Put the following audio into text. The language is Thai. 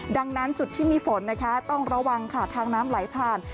ดังนั้นจุดที่มีฝนนะคะต้องระวังค่ะทางน้ำไหลผ่าน